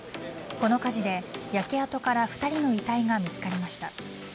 この火事で焼け跡から２人の遺体が見つかりました。